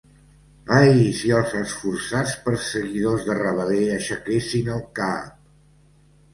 Ai, si els esforçats perseguidors de Rabelais aixequessin el cap!